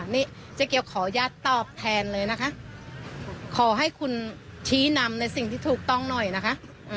นี่เจ๊เกียวขออนุญาตตอบแทนเลยนะคะขอให้คุณชี้นำในสิ่งที่ถูกต้องหน่อยนะคะ